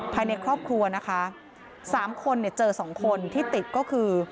ภายในครอบครัวนะคะสามคนเนี่ยเจอสองคนที่ติดก็คือ